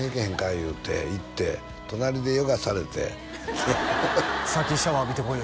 言うて行って隣でヨガされて「先シャワー浴びてこいよ」